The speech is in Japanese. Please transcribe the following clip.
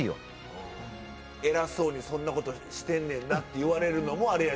偉そうにそんなことしてんねんなって言われるのもあれやし。